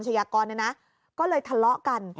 ยากรเนี่ยนะก็เลยทะเลาะกัน